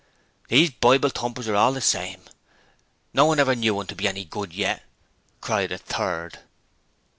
'These Bible thumpers are all the same; no one ever knew one to be any good yet,' cried a third.